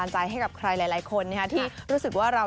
ใช่ครับมันเติมเต็ม